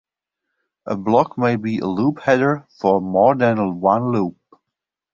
A block may be a loop header for more than one loop.